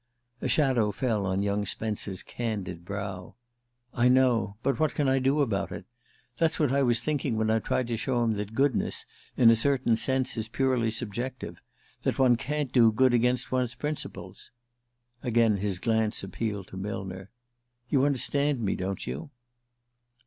A shadow fell on young Spence's candid brow. "I know. But what can I do about it? That's what I was thinking of when I tried to show him that goodness, in a certain sense, is purely subjective: that one can't do good against one's principles." Again his glance appealed to Millner. "_ You_ understand me, don't you?"